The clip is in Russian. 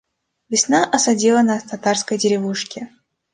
Весна осадила нас в татарской деревушке.